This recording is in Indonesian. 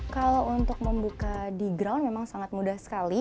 kalau untuk membuka di ground memang sangat mudah sekali